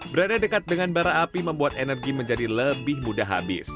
berada dekat dengan bara api membuat energi menjadi lebih mudah habis